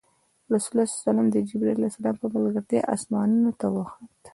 رسول الله د جبرایل ع په ملګرتیا اسمانونو ته وخوت.